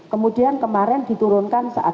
kemudian kemarin diturunkan saat